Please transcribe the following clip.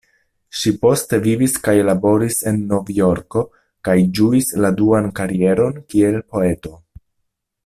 Ŝi poste vivis kaj laboris en Novjorko kaj ĝuis duan karieron kiel poeto.